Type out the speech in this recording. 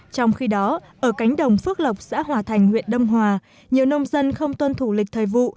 trong khi đó ở cánh đồng phước lộc xã hòa thành huyện đông hòa nhiều nông dân không tuân thủ lịch thời vụ